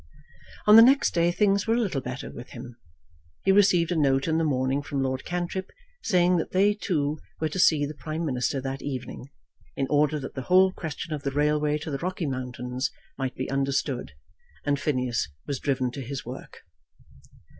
On the next day things were a little better with him. He received a note in the morning from Lord Cantrip saying that they two were to see the Prime Minister that evening, in order that the whole question of the railway to the Rocky Mountains might be understood, and Phineas was driven to his work.